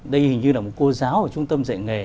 đây hình như là một cô giáo ở trung tâm dạy nghề